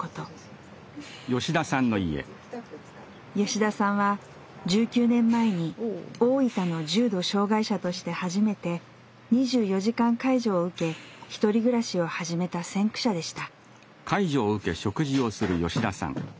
吉田さんは１９年前に大分の重度障害者として初めて２４時間介助を受け１人暮らしを始めた先駆者でした。